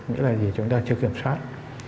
nghĩa là gì chúng ta chưa kiểm soát